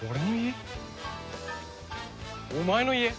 お前の家！？